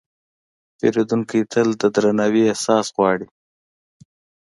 پیرودونکی تل د درناوي احساس غواړي.